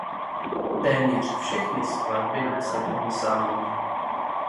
Téměř všechny skladby napsal on sám.